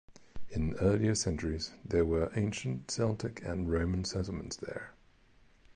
In earlier centuries there were ancient Celtic and Roman settlements there.